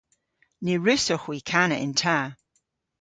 Ny wrussowgh hwi kana yn ta.